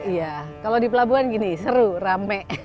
iya kalau di pelabuhan gini seru rame